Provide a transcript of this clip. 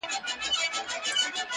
يا الله تې راته ژوندۍ ولره-